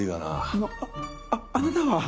あのあなたは？